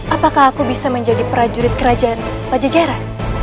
apakah aku bisa menjadi prajurit kerajaan pajajaran